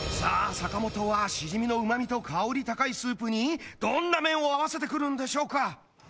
坂本はしじみのうま味と香り高いスープにどんな麺を合わせてくるんでしょうか